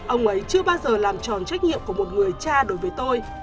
ông ấy chưa bao giờ làm tròn trách nhiệm của một người cha đối với tôi